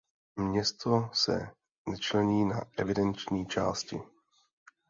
Město se nečlení na evidenční části.